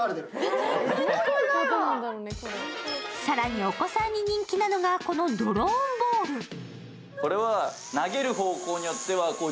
更にお子さんに人気なのがこのドローンボール。